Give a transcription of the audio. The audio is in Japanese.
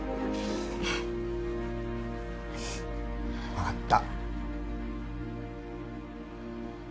分かった。